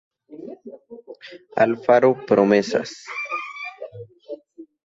Alfaro Promesas.